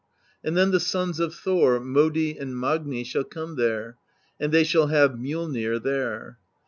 And then the sons of Thor, Modi and Magni, shall come there, and they shall have MjoUnir there.